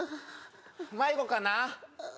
迷子かな？